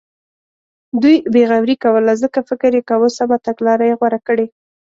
دوی بې غوري کوله ځکه فکر یې کاوه سمه تګلاره یې غوره کړې.